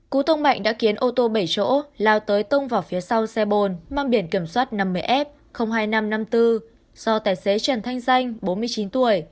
cú tông mạnh đã khiến ô tô bảy chỗ lao tới tông vào phía sau xe bồn mang biển kiểm soát năm mươi f hai nghìn năm trăm năm mươi bốn do tài xế trần thanh danh bốn mươi chín tuổi